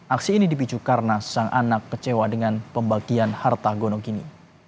aksi ini dipicu karena sang anak kecewa dengan pembagian harta gonok ini